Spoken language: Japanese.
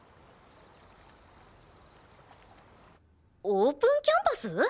オープンキャンパス？